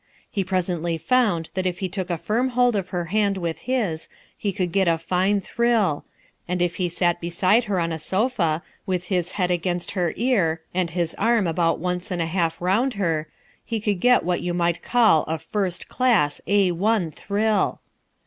He presently found that if he took a firm hold of her hand with his, he could get a fine thrill, and if he sat beside her on a sofa, with his head against her ear and his arm about once and a half round her, he could get what you might call a first class, A 1 thrill.